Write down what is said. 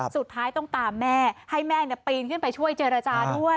สุดท้ายต้องตามแม่ให้แม่ปีนขึ้นไปช่วยเจรจาด้วย